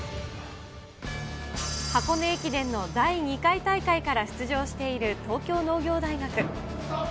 箱根駅伝の第２回大会から出場している東京農業大学。